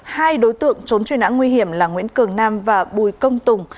hai đối tượng trốn truy nã nguy hiểm là nguyễn cường nam và bùi công tùng